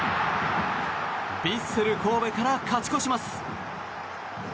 ヴィッセル神戸から勝ち越します。